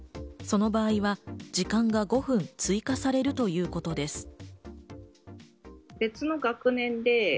その場合は時間が５分追加されるということです。